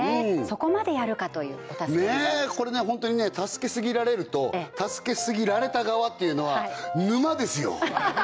そこまでやるかというお助けビジネスこれねホントにね助けすぎられると助けすぎられた側っていうのは沼ですよ